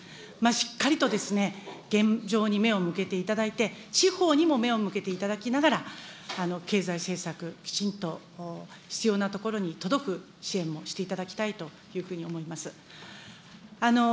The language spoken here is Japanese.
しっかりと現状に目を向けていただいて、地方にも目を向けていただきながら、経済政策、きちんと必要なところに届く支援もしていただきたいというふうに思います。